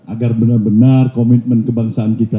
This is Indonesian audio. agar benar benar komitmen kebangsaan kita